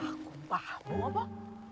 aku paham mbak